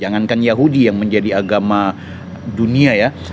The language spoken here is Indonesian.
jangankan yahudi yang menjadi agama dunia ya